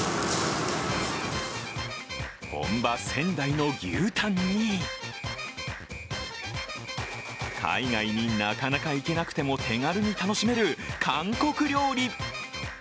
本場・仙台の牛タンに海外になかなか行けなくても手軽に楽しめる韓国料理。